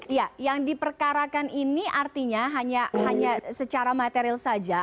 iya yang diperkarakan ini artinya hanya secara material saja